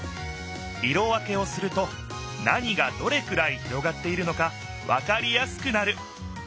色分けをすると何がどれくらい広がっているのかわかりやすくなる。